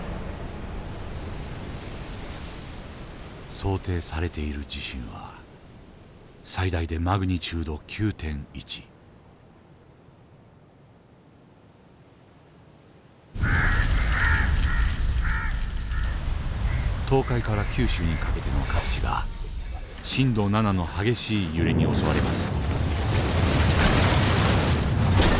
想定されている地震は最大で東海から九州にかけての各地が震度７の激しい揺れに襲われます。